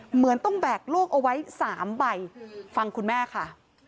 เหมือนต้องแบกลูกเอาไว้๓ใบฟังคุณแม่ค่ะ